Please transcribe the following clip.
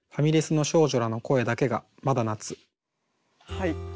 はい。